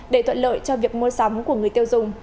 để thuận lợi cho việc mua sắm của người tiêu dùng